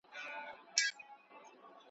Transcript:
دا هغه زلمی امام دی چي الله را پېرزو کړی ,